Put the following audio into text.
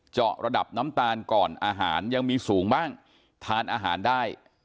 ระดับน้ำตาลก่อนอาหารยังมีสูงบ้างทานอาหารได้